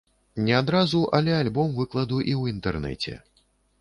Не адразу, але альбом выкладу і ў інтэрнэце.